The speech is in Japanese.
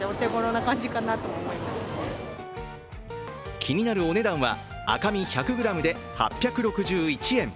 気になるお値段は、赤身１００ｇで８６１円。